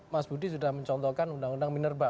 mas budi sudah mencontohkan undang undang minerba